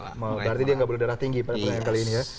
berarti dia nggak berdarah tinggi pada pertandingan kali ini ya